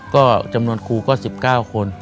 ก็จำนวนครูก็๑๙คน